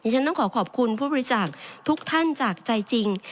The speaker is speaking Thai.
ฉันต้องขอขอบคุณผู้บริจาคทุกท่านจากใจจริง